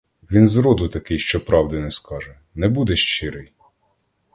Він зроду такий, що правди не скаже, не буде щирий.